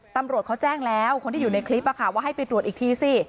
ตำรวจเขาแจ้งแล้วคนที่อยู่ในคลิปว่าให้ไปตรวจอีกทีสิ